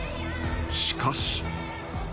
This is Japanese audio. しかし。